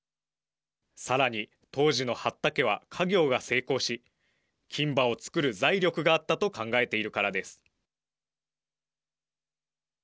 さらに当時の八田家は稼業が成功し金歯を作る財力があったと考えているからです。